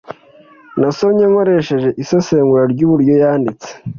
Nasomye nkoresheje isesengura ryuburyo yanditse